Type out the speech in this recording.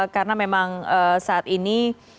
karena memang saat ini